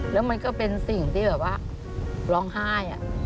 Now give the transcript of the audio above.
แล้วมันก็เป็นสิ่งที่แบบว่าร้องไห้